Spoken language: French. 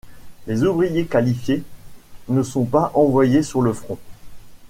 Les ouvriers qualifiés ne sont pas envoyés sur le front.